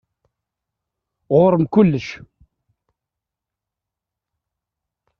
Ɣur-m kullec.